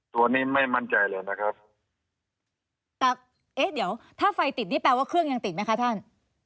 ตัวนี้ไม่มั่นใจเลยนะครับแต่เอ๊ะเดี๋ยวถ้าไฟติดนี่แปลว่าเครื่องยังติดไหมคะท่าน